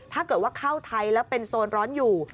ถ้าเกิดว่าเข้าไทยแล้วเป็นโซนร้อนอยู่